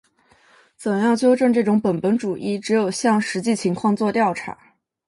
怎样纠正这种本本主义？只有向实际情况作调查。